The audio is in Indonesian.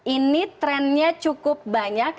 ini trendnya cukup banyak